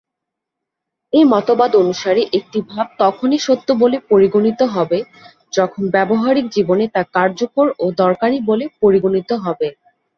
এ-মতবাদ অনুসারে, একটি ভাব তখনই সত্য বলে পরিগণিত হবে যখন ব্যবহারিক জীবনে তা কার্যকর ও দরকারি বলে পরিগণিত হবে।